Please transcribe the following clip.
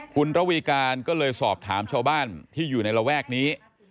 คุณระวีการก็เลยสอบถามชาวบ้านที่อยู่ในระแวกนี้